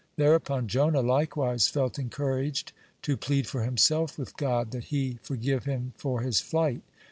Thereupon Jonah likewise felt encouraged to plead for himself with God, that He forgive him for his flight.